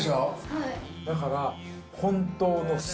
はい。